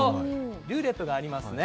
ルーレットがありますね。